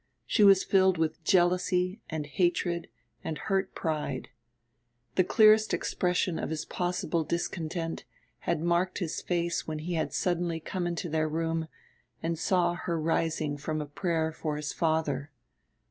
She was filled with jealousy and hatred and hurt pride. The clearest expression of his possible discontent had marked his face when he had suddenly come into their room and saw her rising from a prayer for his father.